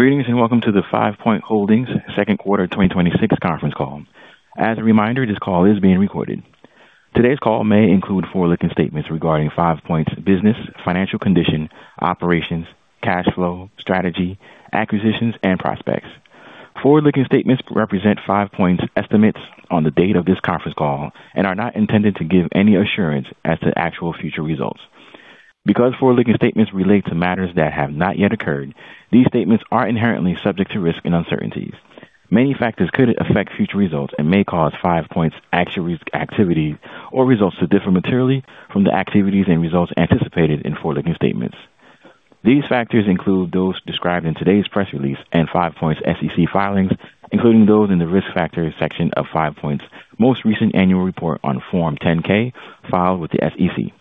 Greetings, and welcome to the Five Point Holdings second quarter 2026 conference call. As a reminder, this call is being recorded. Today's call may include forward-looking statements regarding Five Point's business, financial condition, operations, cash flow, strategy, acquisitions, and prospects. Forward-looking statements represent Five Point's estimates on the date of this conference call and are not intended to give any assurance as to actual future results. Because forward-looking statements relate to matters that have not yet occurred, these statements are inherently subject to risk and uncertainties. Many factors could affect future results and may cause Five Point's actual activities or results to differ materially from the activities and results anticipated in forward-looking statements. These factors include those described in today's press release and Five Point's SEC filings, including those in the Risk Factors section of Five Point's most recent annual report on Form 10-K filed with the SEC.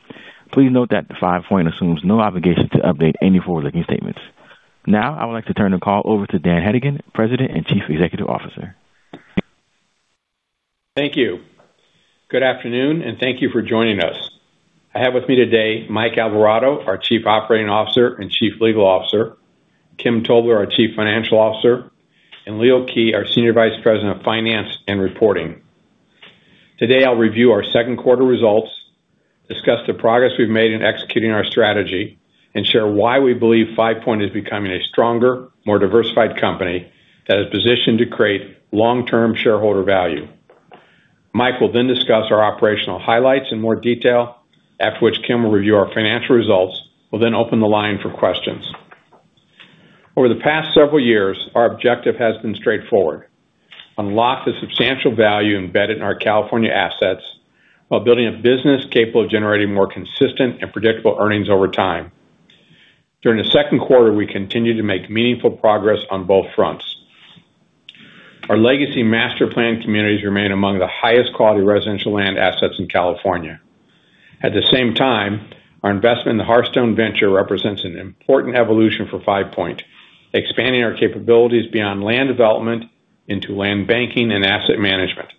Please note that Five Point assumes no obligation to update any forward-looking statements. Now, I would like to turn the call over to Dan Hedigan, President and Chief Executive Officer. Thank you. Good afternoon, and thank you for joining us. I have with me today Mike Alvarado, our Chief Operating Officer and Chief Legal Officer, Kim Tobler, our Chief Financial Officer, and Leo Kij, our Senior Vice President of Finance and Reporting. Today, I'll review our second quarter results, discuss the progress we've made in executing our strategy, and share why we believe Five Point is becoming a stronger, more diversified company that is positioned to create long-term shareholder value. Mike will then discuss our operational highlights in more detail. After which, Kim will review our financial results. We'll then open the line for questions. Over the past several years, our objective has been straightforward: unlock the substantial value embedded in our California assets while building a business capable of generating more consistent and predictable earnings over time. During the second quarter, we continued to make meaningful progress on both fronts. Our legacy master-planned communities remain among the highest quality residential land assets in California. At the same time, our investment in the Hearthstone Venture represents an important evolution for Five Point, expanding our capabilities beyond land development into land banking and asset management.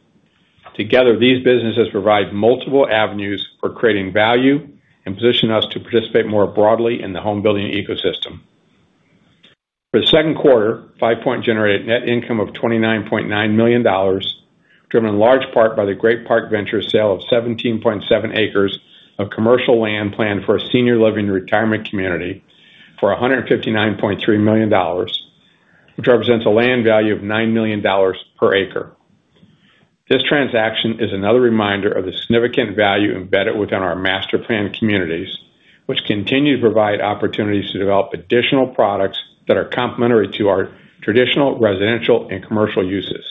Together, these businesses provide multiple avenues for creating value and position us to participate more broadly in the home building ecosystem. For the second quarter, Five Point generated net income of $29.9 million, driven in large part by the Great Park Venture sale of 17.7 acres of commercial land planned for a senior living retirement community for $159.3 million, which represents a land value of $9 million per acre. This transaction is another reminder of the significant value embedded within our master-planned communities, which continue to provide opportunities to develop additional products that are complementary to our traditional residential and commercial uses.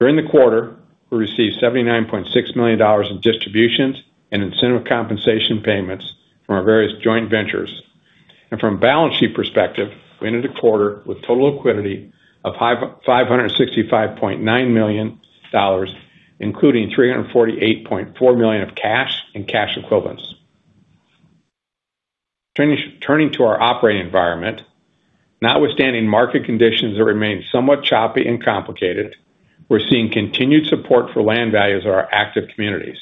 During the quarter, we received $79.6 million in distributions and incentive compensation payments from our various joint ventures. From a balance sheet perspective, we ended the quarter with total liquidity of $565.9 million, including $348.4 million of cash and cash equivalents. Turning to our operating environment. Notwithstanding market conditions that remain somewhat choppy and complicated, we're seeing continued support for land values at our active communities.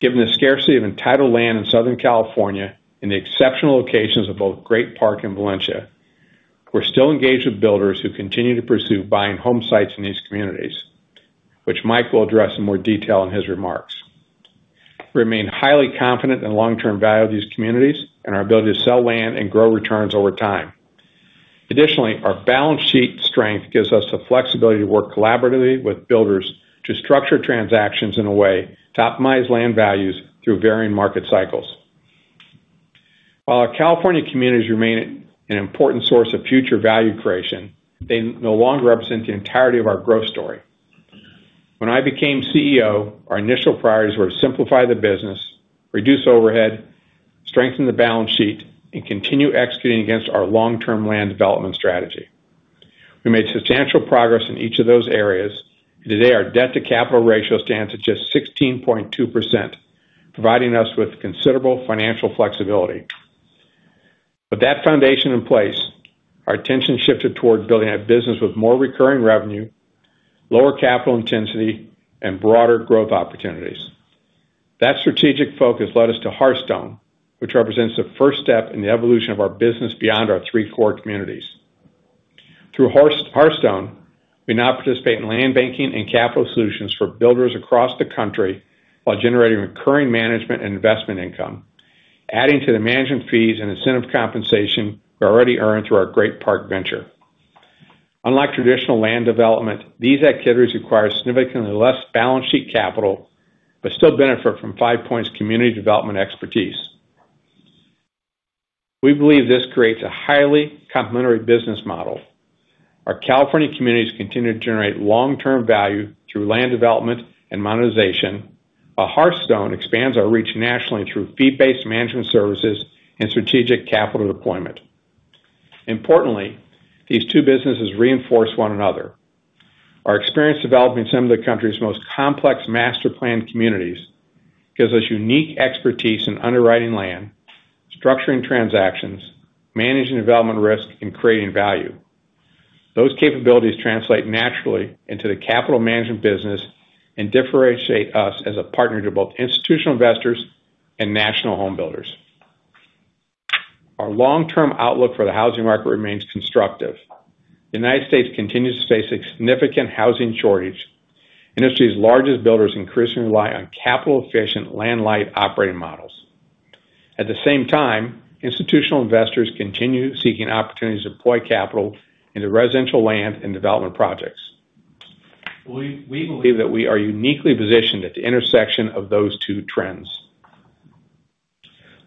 Given the scarcity of entitled land in Southern California and the exceptional locations of both Great Park and Valencia, we're still engaged with builders who continue to pursue buying home sites in these communities, which Mike will address in more detail in his remarks. We remain highly confident in the long-term value of these communities and our ability to sell land and grow returns over time. Additionally, our balance sheet strength gives us the flexibility to work collaboratively with builders to structure transactions in a way to optimize land values through varying market cycles. While our California communities remain an important source of future value creation, they no longer represent the entirety of our growth story. When I became CEO, our initial priorities were to simplify the business, reduce overhead, strengthen the balance sheet, and continue executing against our long-term land development strategy. We made substantial progress in each of those areas, and today our debt-to-capital ratio stands at just 16.2%, providing us with considerable financial flexibility. With that foundation in place, our attention shifted towards building a business with more recurring revenue, lower capital intensity, and broader growth opportunities. That strategic focus led us to Hearthstone, which represents the first step in the evolution of our business beyond our three core communities. Through Hearthstone, we now participate in land banking and capital solutions for builders across the country while generating recurring management and investment income, adding to the management fees and incentive compensation we already earn through our Great Park Venture. Unlike traditional land development, these activities require significantly less balance sheet capital but still benefit from Five Point's community development expertise. We believe this creates a highly complementary business model. Our California communities continue to generate long-term value through land development and monetization, while Hearthstone expands our reach nationally through fee-based management services and strategic capital deployment. Importantly, these two businesses reinforce one another. Our experience developing some of the country's most complex master-planned communities gives us unique expertise in underwriting land, structuring transactions, managing development risk, and creating value. Those capabilities translate naturally into the capital management business and differentiate us as a partner to both institutional investors and national home builders. Our long-term outlook for the housing market remains constructive. The United States continues to face a significant housing shortage. Industry's largest builders increasingly rely on capital-efficient, land-light operating models. At the same time, institutional investors continue seeking opportunities to deploy capital into residential land and development projects. We believe that we are uniquely positioned at the intersection of those two trends.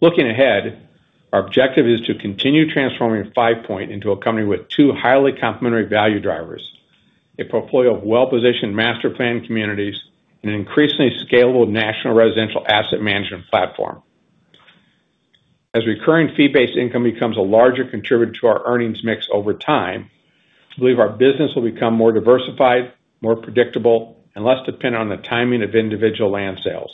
Looking ahead, our objective is to continue transforming Five Point into a company with two highly complementary value drivers, a portfolio of well-positioned master-planned communities, and an increasingly scalable national residential asset management platform. As recurring fee-based income becomes a larger contributor to our earnings mix over time, we believe our business will become more diversified, more predictable, and less dependent on the timing of individual land sales.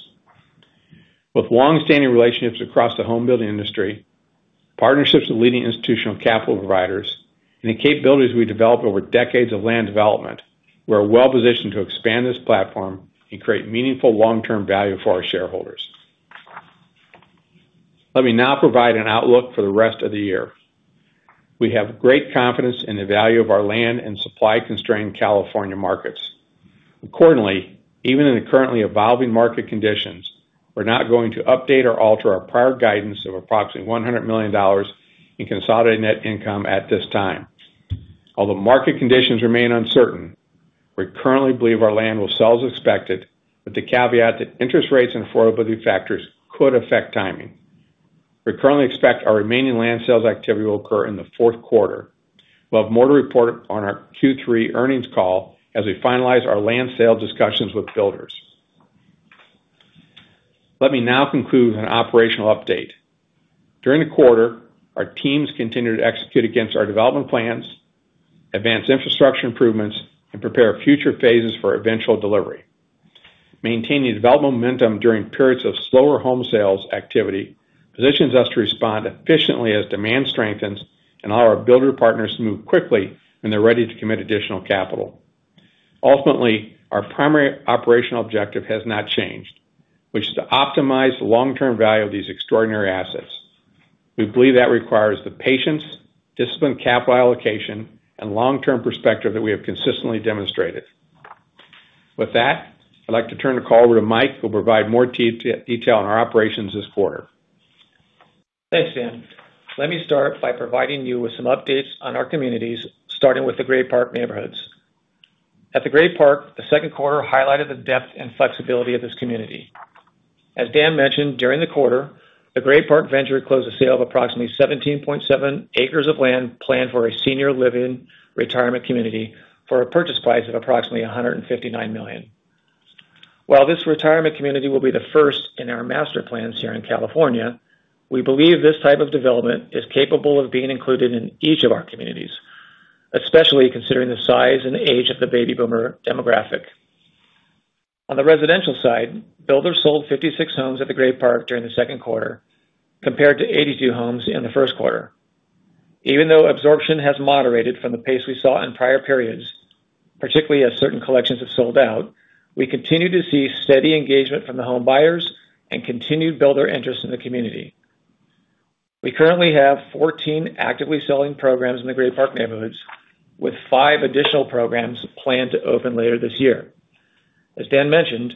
With long-standing relationships across the home building industry, partnerships with leading institutional capital providers, and the capabilities we developed over decades of land development, we're well-positioned to expand this platform and create meaningful long-term value for our shareholders. Let me now provide an outlook for the rest of the year. We have great confidence in the value of our land and supply-constrained California markets. Accordingly, even in the currently evolving market conditions, we're not going to update or alter our prior guidance of approximately $100 million in consolidated net income at this time. Although market conditions remain uncertain, we currently believe our land will sell as expected, with the caveat that interest rates and affordability factors could affect timing. We currently expect our remaining land sales activity will occur in the fourth quarter. We'll have more to report on our Q3 earnings call as we finalize our land sale discussions with builders. Let me now conclude with an operational update. During the quarter, our teams continued to execute against our development plans, advance infrastructure improvements, and prepare future phases for eventual delivery. Maintaining development momentum during periods of slower home sales activity positions us to respond efficiently as demand strengthens and allow our builder partners to move quickly when they're ready to commit additional capital. Ultimately, our primary operational objective has not changed, which is to optimize the long-term value of these extraordinary assets. We believe that requires the patience, disciplined capital allocation, and long-term perspective that we have consistently demonstrated. With that, I'd like to turn the call over to Mike, who'll provide more detail on our operations this quarter. Thanks, Dan. Let me start by providing you with some updates on our communities, starting with The Great Park Neighborhoods. At The Great Park, the second quarter highlighted the depth and flexibility of this community. As Dan mentioned, during the quarter, The Great Park Venture closed a sale of approximately 17.7 acres of land planned for a senior living retirement community for a purchase price of approximately $159 million. While this retirement community will be the first in our master plans here in California, we believe this type of development is capable of being included in each of our communities, especially considering the size and age of the baby boomer demographic. On the residential side, builders sold 56 homes at The Great Park during the second quarter, compared to 82 homes in the first quarter. Even though absorption has moderated from the pace we saw in prior periods, particularly as certain collections have sold out, we continue to see steady engagement from the home buyers and continued builder interest in the community. We currently have 14 actively selling programs in the Great Park Neighborhoods, with five additional programs planned to open later this year. As Dan mentioned,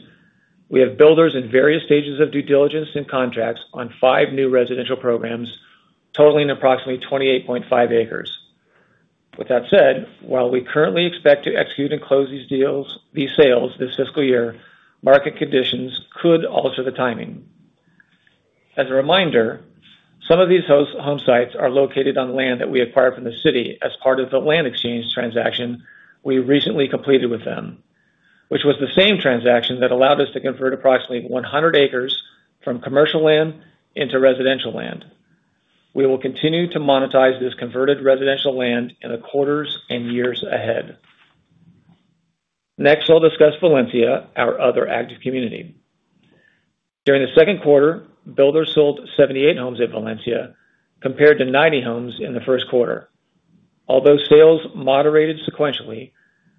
we have builders in various stages of due diligence and contracts on five new residential programs totaling approximately 28.5 acres. With that said, while we currently expect to execute and close these sales this fiscal year, market conditions could alter the timing. As a reminder, some of these home sites are located on land that we acquired from the city as part of the land exchange transaction we recently completed with them, which was the same transaction that allowed us to convert approximately 100 acres from commercial land into residential land. We will continue to monetize this converted residential land in the quarters and years ahead. Next, I'll discuss Valencia, our other active community. During the second quarter, builders sold 78 homes at Valencia, compared to 90 homes in the first quarter. Although sales moderated sequentially,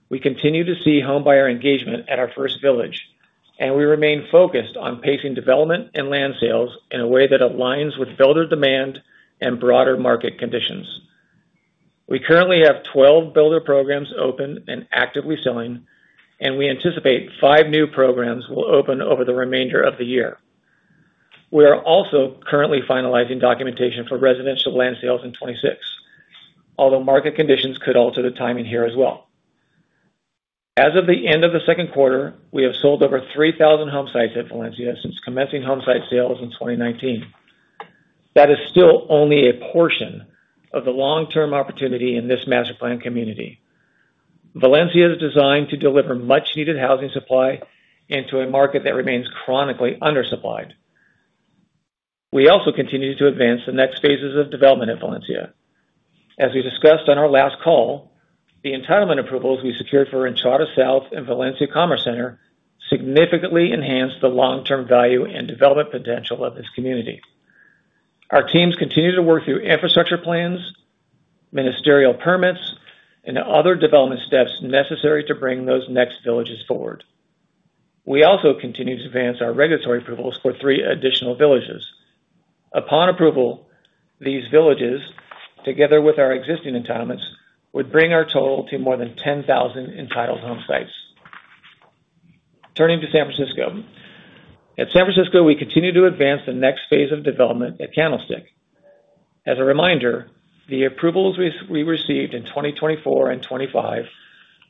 we continue to see homebuyer engagement at our first village, and we remain focused on pacing development and land sales in a way that aligns with builder demand and broader market conditions. We currently have 12 builder programs open and actively selling, and we anticipate five new programs will open over the remainder of the year. We are also currently finalizing documentation for residential land sales in 2026, although market conditions could alter the timing here as well. As of the end of the second quarter, we have sold over 3,000 home sites at Valencia since commencing home site sales in 2019. That is still only a portion of the long-term opportunity in this master-planned community. Valencia is designed to deliver much-needed housing supply into a market that remains chronically undersupplied. We also continue to advance the next phases of development at Valencia. As we discussed on our last call, the entitlement approvals we secured for Entrada South and Valencia Commerce Center significantly enhance the long-term value and development potential of this community. Our teams continue to work through infrastructure plans, ministerial permits, and other development steps necessary to bring those next villages forward. We also continue to advance our regulatory approvals for three additional villages. Upon approval, these villages, together with our existing entitlements, would bring our total to more than 10,000 entitled home sites. Turning to San Francisco. At San Francisco, we continue to advance the next phase of development at Candlestick. As a reminder, the approvals we received in 2024 and 2025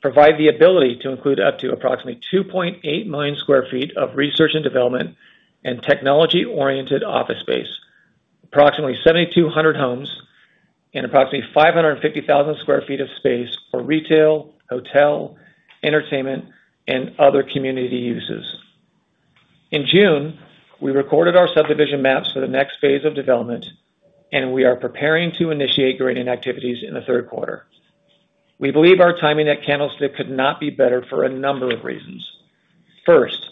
provide the ability to include up to approximately 2.8 million sq ft of research and development and technology-oriented office space, approximately 7,200 homes, and approximately 550,000 sq ft of space for retail, hotel, entertainment, and other community uses. In June, we recorded our subdivision maps for the next phase of development, and we are preparing to initiate grading activities in the third quarter. We believe our timing at Candlestick could not be better for a number of reasons. First,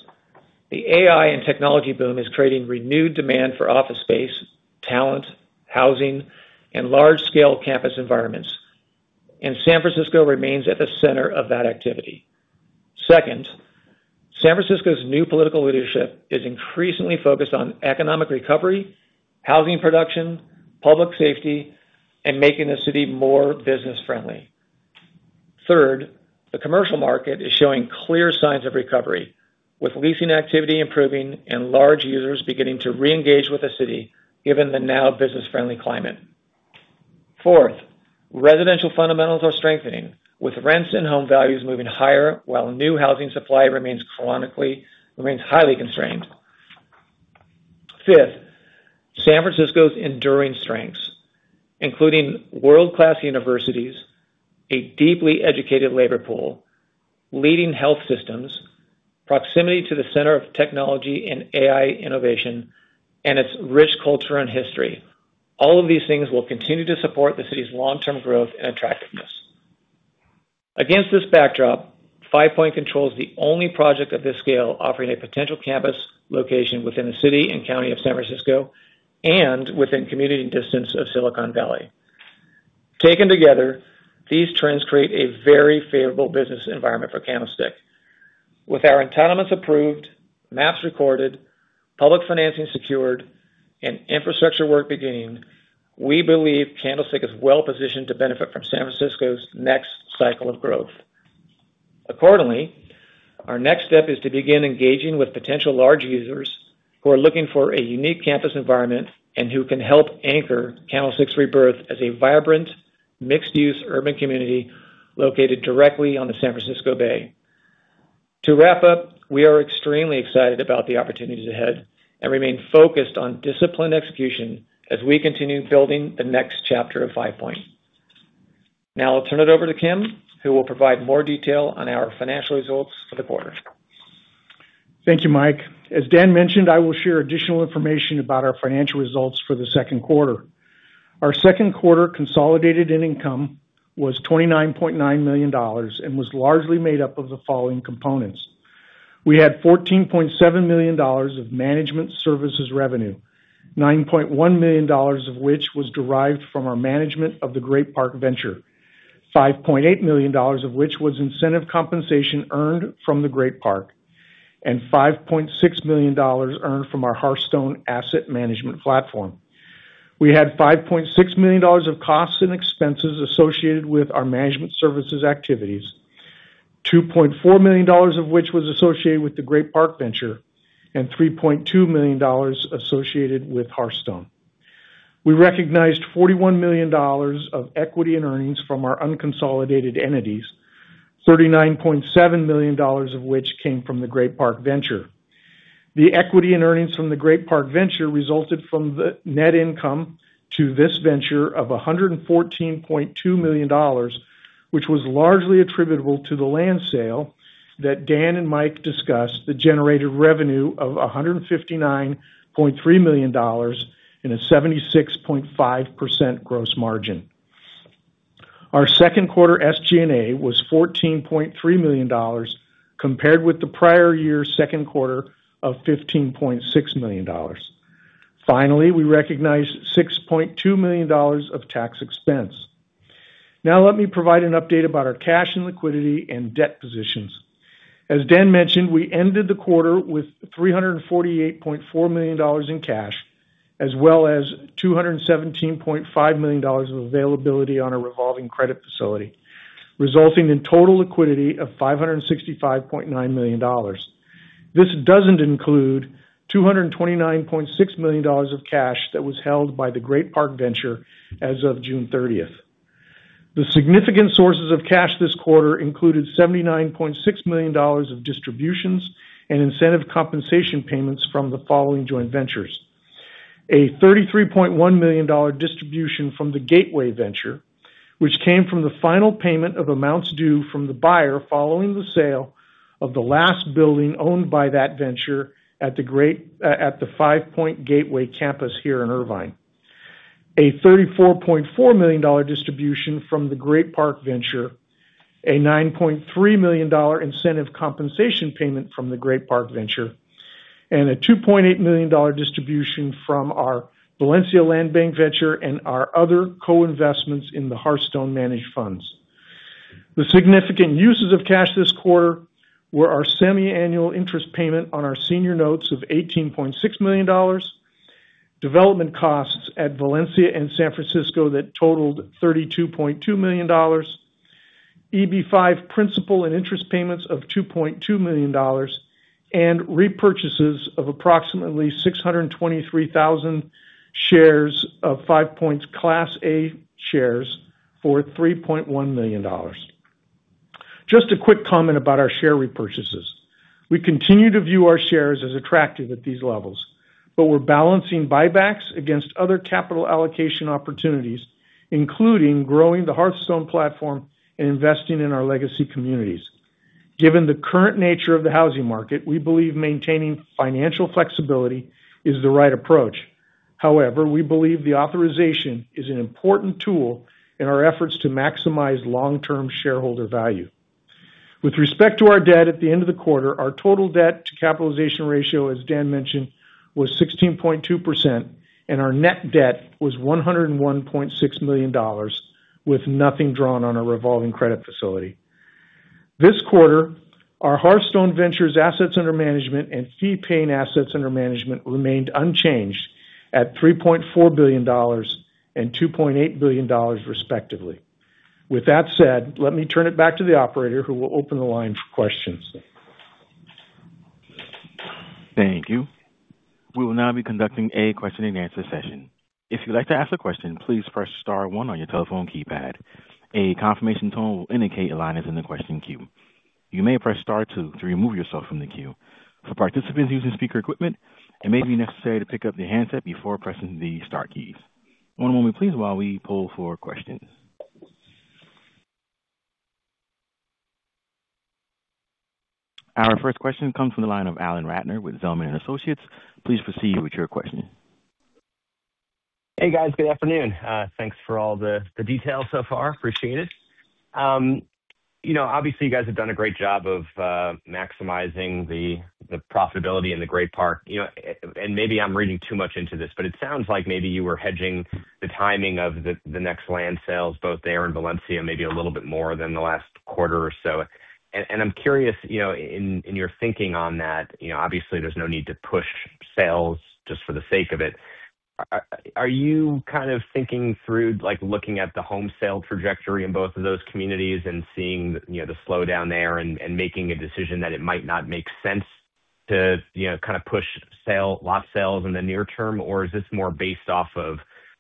the AI and technology boom is creating renewed demand for office space, talent, housing, and large-scale campus environments, and San Francisco remains at the center of that activity. Second, San Francisco's new political leadership is increasingly focused on economic recovery, housing production, public safety, and making the city more business friendly. Third, the commercial market is showing clear signs of recovery, with leasing activity improving and large users beginning to reengage with the city given the now business-friendly climate. Fourth, residential fundamentals are strengthening, with rents and home values moving higher while new housing supply remains highly constrained. Fifth, San Francisco's enduring strengths, including world-class universities, a deeply educated labor pool, leading health systems, proximity to the center of technology and AI innovation, and its rich culture and history. All of these things will continue to support the city's long-term growth and attractiveness. Against this backdrop, Five Point controls the only project of this scale offering a potential campus location within the city and county of San Francisco and within commuting distance of Silicon Valley. Taken together, these trends create a very favorable business environment for Candlestick. With our entitlements approved, maps recorded, public financing secured, and infrastructure work beginning, we believe Candlestick is well positioned to benefit from San Francisco's next cycle of growth. Accordingly, our next step is to begin engaging with potential large users who are looking for a unique campus environment and who can help anchor Candlestick's rebirth as a vibrant, mixed-use urban community located directly on the San Francisco Bay. To wrap up, we are extremely excited about the opportunities ahead and remain focused on disciplined execution as we continue building the next chapter of Five Point. Now I'll turn it over to Kim, who will provide more detail on our financial results for the quarter. Thank you, Mike. As Dan mentioned, I will share additional information about our financial results for the second quarter. Our second quarter consolidated net income was $29.9 million and was largely made up of the following components. We had $14.7 million of management services revenue, $9.1 million of which was derived from our management of the Great Park Venture, $5.8 million of which was incentive compensation earned from the Great Park, and $5.6 million earned from our Hearthstone asset management platform. We had $5.6 million of costs and expenses associated with our management services activities, $2.4 million of which was associated with the Great Park Venture and $3.2 million associated with Hearthstone. We recognized $41 million of equity and earnings from our unconsolidated entities, $39.7 million of which came from the Great Park Venture. The equity and earnings from the Great Park Venture resulted from the net income to this venture of $114.2 million, which was largely attributable to the land sale that Dan and Mike discussed that generated revenue of $159.3 million in a 76.5% gross margin. Our second quarter SG&A was $14.3 million compared with the prior year's second quarter of $15.6 million. Finally, we recognized $6.2 million of tax expense. Let me provide an update about our cash and liquidity and debt positions. As Dan mentioned, we ended the quarter with $348.4 million in cash, as well as $217.5 million of availability on a revolving credit facility, resulting in total liquidity of $565.9 million. This doesn't include $229.6 million of cash that was held by the Great Park Venture as of June 30th. The significant sources of cash this quarter included $79.6 million of distributions and incentive compensation payments from the following joint ventures. A $33.1 million distribution from the Gateway Venture, which came from the final payment of amounts due from the buyer following the sale of the last building owned by that venture at the Five Point Gateway campus here in Irvine. A $34.4 million distribution from the Great Park Venture, a $9.3 million incentive compensation payment from the Great Park Venture, and a $2.8 million distribution from our Valencia land bank venture and our other co-investments in the Hearthstone Managed Funds. The significant uses of cash this quarter were our semi-annual interest payment on our senior notes of $18.6 million, development costs at Valencia and San Francisco that totaled $32.2 million, EB-5 principal and interest payments of $2.2 million, and repurchases of approximately 623,000 shares of Five Point's Class A shares for $3.1 million. Just a quick comment about our share repurchases. We continue to view our shares as attractive at these levels, but we're balancing buybacks against other capital allocation opportunities, including growing the Hearthstone platform and investing in our legacy communities. Given the current nature of the housing market, we believe maintaining financial flexibility is the right approach. However, we believe the authorization is an important tool in our efforts to maximize long-term shareholder value. With respect to our debt at the end of the quarter, our total debt to capitalization ratio, as Dan mentioned, was 16.2%, and our net debt was $101.6 million, with nothing drawn on our revolving credit facility. This quarter, our Hearthstone Venture's assets under management and fee-paying assets under management remained unchanged at $3.4 billion and $2.8 billion, respectively. With that said, let me turn it back to the operator who will open the line for questions. Thank you. We will now be conducting a question and answer session. Our first question comes from the line of Alan Ratner with Zelman & Associates. Please proceed with your question. Hey, guys. Good afternoon. Thanks for all the details so far. Appreciate it. Obviously, you guys have done a great job of maximizing the profitability in the Great Park. Maybe I'm reading too much into this, but it sounds like maybe you were hedging the timing of the next land sales both there and Valencia, maybe a little bit more than the last quarter or so. I'm curious, in your thinking on that, obviously, there's no need to push sales just for the sake of it. Are you thinking through looking at the home sale trajectory in both of those communities and seeing the slowdown there and making a decision that it might not make sense to kind of push lot sales in the near term? Is this more based off of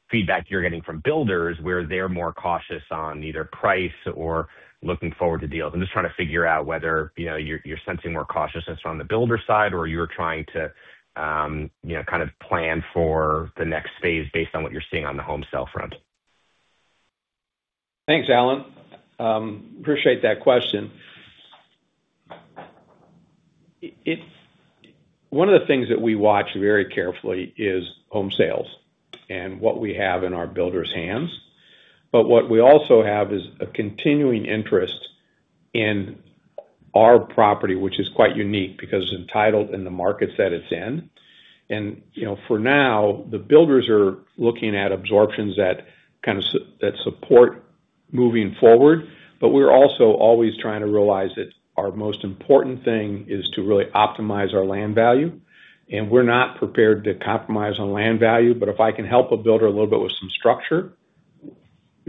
feedback you're getting from builders where they're more cautious on either price or looking forward to deals? I'm just trying to figure out whether you're sensing more cautiousness on the builder side or you're trying to plan for the next phase based on what you're seeing on the home sale front. Thanks, Alan. Appreciate that question. One of the things that we watch very carefully is home sales and what we have in our builders' hands. What we also have is a continuing interest in our property, which is quite unique because it's entitled in the markets that it's in. For now, the builders are looking at absorptions that support moving forward. We're also always trying to realize that our most important thing is to really optimize our land value, and we're not prepared to compromise on land value. If I can help a builder a little bit with some structure,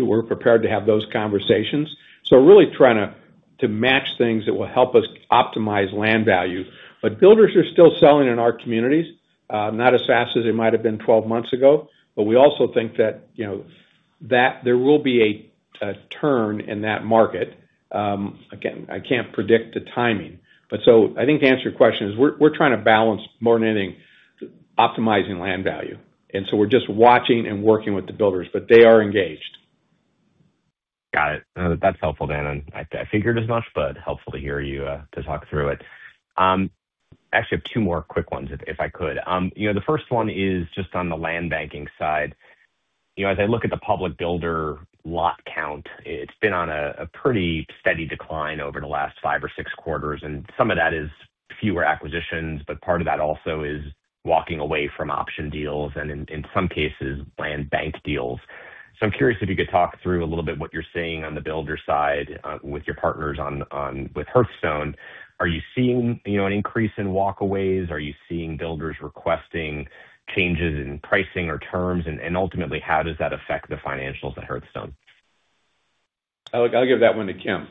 we're prepared to have those conversations. Really trying to match things that will help us optimize land value. Builders are still selling in our communities, not as fast as they might have been 12 months ago. We also think that there will be a turn in that market. Again, I can't predict the timing. I think to answer your question is we're trying to balance more than anything optimizing land value. We're just watching and working with the builders, but they are engaged. Got it. That's helpful, Dan, and I figured as much, but helpful to hear you to talk through it. Actually, two more quick ones, if I could. The first one is just on the land banking side. As I look at the public builder lot count, it's been on a pretty steady decline over the last five or six quarters, and some of that is fewer acquisitions, but part of that also is walking away from option deals and in some cases, land bank deals. I'm curious if you could talk through a little bit what you're seeing on the builder side with your partners with Hearthstone. Are you seeing an increase in walkaways? Are you seeing builders requesting changes in pricing or terms? Ultimately, how does that affect the financials at Hearthstone? I'll give that one to Kim.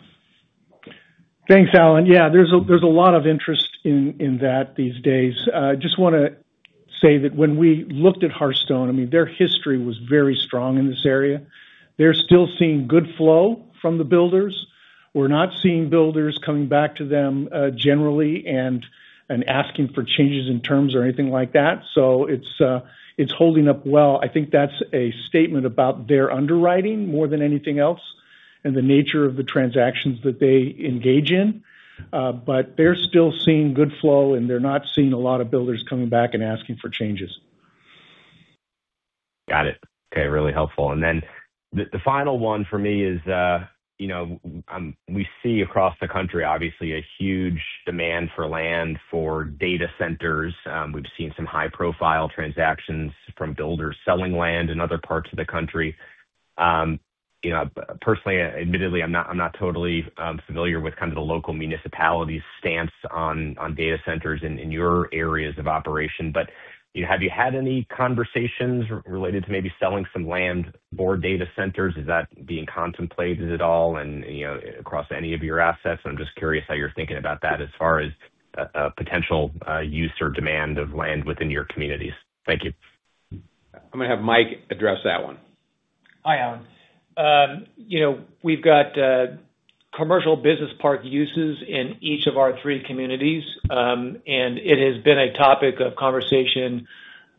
Thanks, Alan. There's a lot of interest in that these days. Just want to say that when we looked at Hearthstone, I mean, their history was very strong in this area. They're still seeing good flow from the builders. We're not seeing builders coming back to them generally and asking for changes in terms or anything like that. It's holding up well. I think that's a statement about their underwriting more than anything else the nature of the transactions that they engage in. They're still seeing good flow, and they're not seeing a lot of builders coming back and asking for changes. Got it. Okay. Really helpful. The final one for me is we see across the country, obviously, a huge demand for land for data centers. We've seen some high-profile transactions from builders selling land in other parts of the country. Personally, admittedly, I'm not totally familiar with kind of the local municipality's stance on data centers in your areas of operation. Have you had any conversations related to maybe selling some land for data centers? Is that being contemplated at all and across any of your assets? I'm just curious how you're thinking about that as far as potential use or demand of land within your communities. Thank you. I'm going to have Mike address that one. Hi, Alan. We've got commercial business park uses in each of our three communities. It has been a topic of conversation,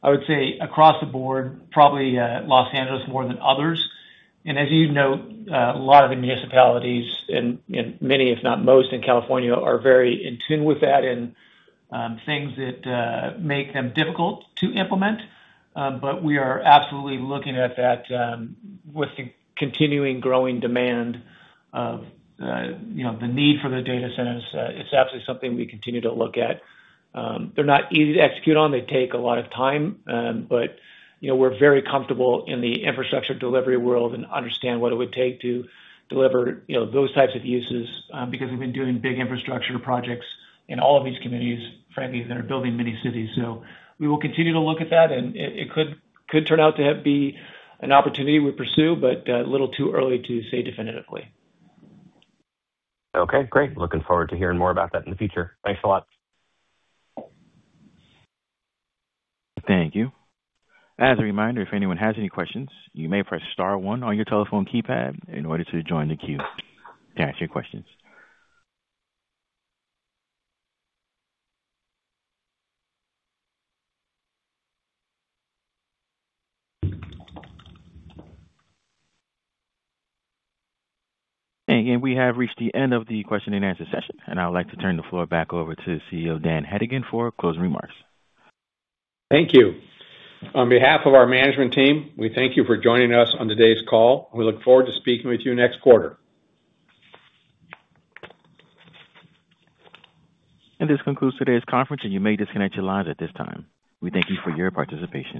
I would say, across the board, probably Los Angeles more than others. As you know, a lot of the municipalities and many, if not most in California, are very in tune with that and things that make them difficult to implement. We are absolutely looking at that with the continuing growing demand of the need for the data centers. It's absolutely something we continue to look at. They're not easy to execute on. They take a lot of time. We're very comfortable in the infrastructure delivery world and understand what it would take to deliver those types of uses because we've been doing big infrastructure projects in all of these communities, frankly, that are building many cities. We will continue to look at that, and it could turn out to be an opportunity we pursue, but a little too early to say definitively. Okay, great. Looking forward to hearing more about that in the future. Thanks a lot. Thank you. We have reached the end of the question and answer session. I would like to turn the floor back over to CEO Dan Hedigan for closing remarks. Thank you. On behalf of our management team, we thank you for joining us on today's call. We look forward to speaking with you next quarter. This concludes today's conference. You may disconnect your lines at this time. We thank you for your participation.